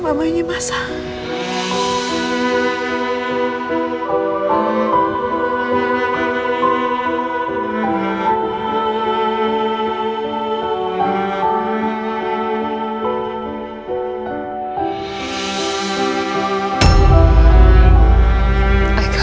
mama yang dimasak